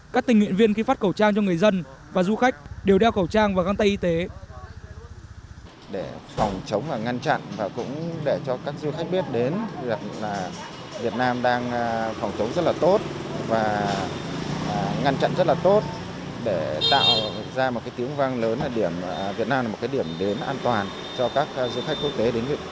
các tình nguyện viên khi phát khẩu trang cho người dân và du khách đều đeo khẩu trang và găng tay y tế